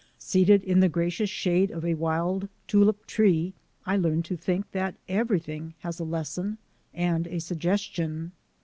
Seated in the gracious shade of a wild tulip tree, I learned to think that everything has a lesson and a suggestion.